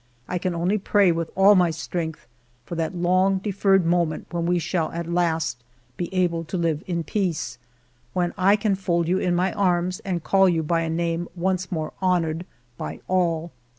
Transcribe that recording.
I can only pray with all my strength for that long deferred moment when we shall at last be able to live in peace ; when I can fold you in my arms and call you by a name once more honored by all.